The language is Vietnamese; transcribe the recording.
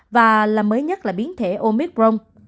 và là mới nhất là biến thể omicron